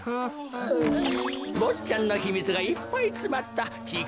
ぼっちゃんのひみつがいっぱいつまったちぃ